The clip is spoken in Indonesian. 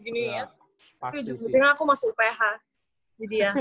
sebenernya aku masih uph